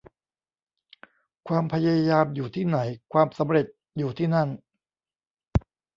ความพยายามอยู่ที่ไหน ความสำเร็จอยู่ที่นั่น